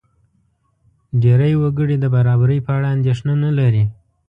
ډېری وګړي د برابرۍ په اړه اندېښنه نه لري.